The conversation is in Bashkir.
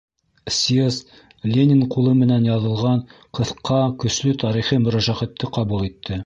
Съезд Ленин ҡулы менән яҙылған ҡыҫҡа, көслө тарихи мөрәжәғәтте ҡабул итте: